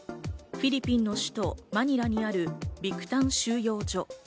フィリピンの首都マニラにあるビクタン収容所。